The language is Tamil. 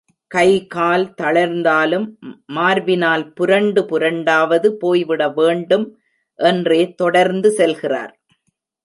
கைகால் தளர்ந்தாலும், மார்பினால் புரண்டு புரண்டாவது போய்விட வேண்டும் என்றே தொடர்ந்து செல்கிறார்.